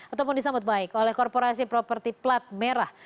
ataupun disambut baik oleh korporasi properti plat merah